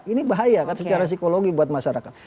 ini bahaya kan secara psikologi buat masyarakat